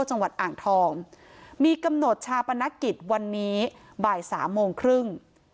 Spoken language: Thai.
จังหวัดอ่างทองมีกำหนดชาปนกิจวันนี้บ่ายสามโมงครึ่ง